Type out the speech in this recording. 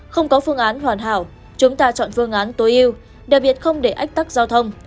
không có phương án hoàn hảo chúng ta chọn phương án tối yêu đặc biệt không để ách tắc giao thông